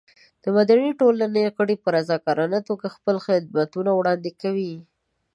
د مدني ټولنې غړي په رضاکارانه توګه خپل خدمتونه وړاندې کوي.